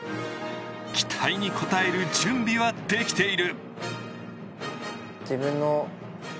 期待に応える準備はできている。